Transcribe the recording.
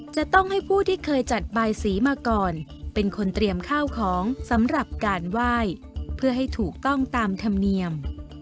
จะต้องให้ผู้ที่เคยจัดบายสีมาก่อนเป็นคนเตรียมข้าวของสำหรับการไหว้เพื่อให้ถูกต้องตามธรรมเนียม